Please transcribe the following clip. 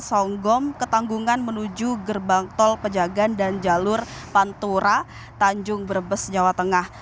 songgom ketanggungan menuju gerbang tol pejagan dan jalur pantura tanjung brebes jawa tengah